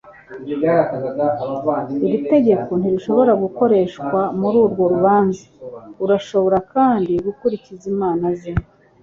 Iri tegeko ntirishobora gukoreshwa mururwo rubanza Urashobora kandi gukurikiza inama ze.